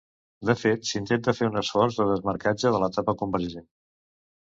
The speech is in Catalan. De fet s’intenta fer un esforç de desmarcatge de l’etapa convergent.